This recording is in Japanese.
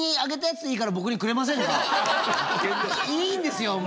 いいんですよ